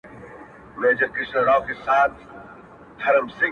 که مي اووه ځایه حلال کړي، بیا مي یوسي اور ته.